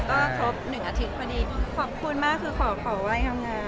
ก็ครบ๑อาทิตย์พอดีขอบคุณมากคือขอไหว้ทำงาน